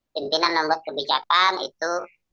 pimpinan membuat kebijakan itu